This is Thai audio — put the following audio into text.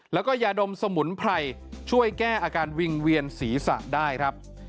แล้วก็ยาดมสมุนไพรช่วยแก้อาการวิงเวียนศีรษะได้ครับ